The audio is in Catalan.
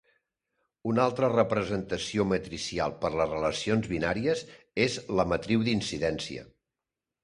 Una altra representació matricial per a les relacions binàries és la matriu d'incidència.